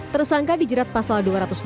tersangka di jerat pasal dua puluh satu